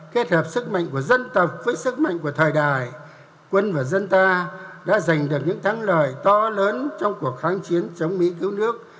kết hợp sức mạnh của dân tộc với sức mạnh của thời đại quân và dân ta đã giành được những thắng lợi to lớn trong cuộc kháng chiến chống mỹ cứu nước